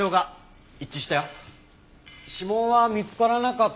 指紋は見つからなかった。